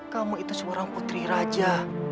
kamu itu seorang putri raja